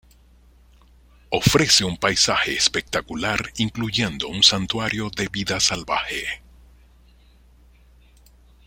Ofrece un paisaje espectacular incluyendo un santuario de vida salvaje.